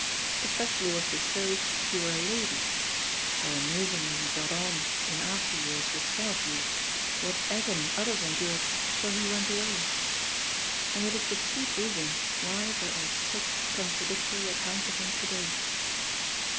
Especially was this so if you were a lady (how amazingly he got on in after years with some of you, what agony others endured till he went away!), and it is the chief reason why there are such contradictory accounts of him to day.